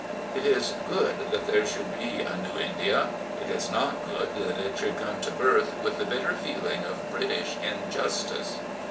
Jt is good that there should be a new India: it is not good that it should come to birth with the bitter feeling of British injustice.